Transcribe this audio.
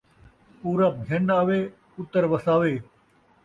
پورب گھن آوے، اُتر وساوے